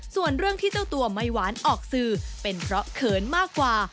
ส่วนเรื่องที่เจ้าตัวไม่หวานออกสื่อเป็นเพราะเขินมากกว่า